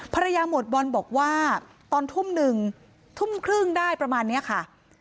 หมวดบอลบอกว่าตอนทุ่มหนึ่งทุ่มครึ่งได้ประมาณนี้ค่ะ